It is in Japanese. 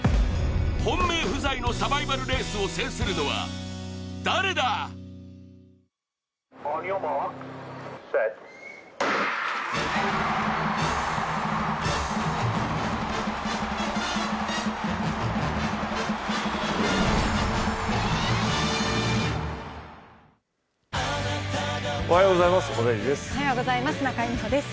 本命不在のサバイバルレースを制するのは誰だおはようございます織田裕二です。